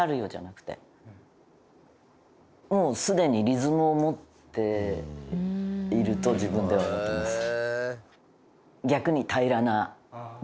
もうすでにリズムを持っていると自分では思ってます。